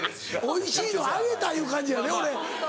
おいしいのあげたいう感じやで俺。